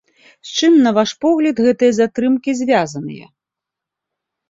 З чым, на ваш погляд, гэтыя затрымкі звязаныя?